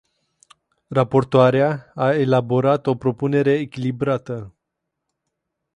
Raportoarea a elaborat o propunere echilibrată.